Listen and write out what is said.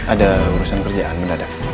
ada urusan kerjaan mendadak